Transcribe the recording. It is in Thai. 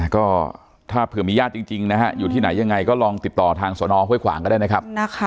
ก็ถ้าเผื่อมีญาติจริงนะฮะอยู่ที่ไหนยังไงก็ลองติดต่อทางสนห้วยขวางก็ได้นะครับ